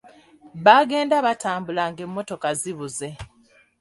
Baagenda batambula ng'emmotoka zibuze.